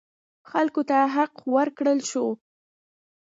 خلکو ته حق ورکړل شو.